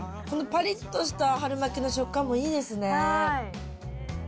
このぱりっとした春巻きの食感もいいですね。